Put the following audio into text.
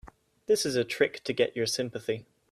This is a trick to get your sympathy.